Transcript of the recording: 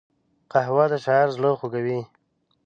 قهوه د شاعر زړه خوږوي